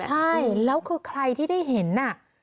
ใช่แล้วคือใครที่ได้เห็นน่ะ